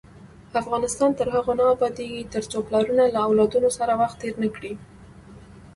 افغانستان تر هغو نه ابادیږي، ترڅو پلرونه له اولادونو سره وخت تیر نکړي.